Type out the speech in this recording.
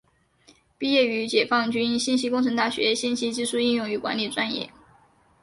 毕业于解放军信息工程大学信息技术应用与管理专业。